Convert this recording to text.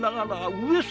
上様。